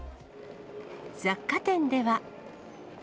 雑貨店では。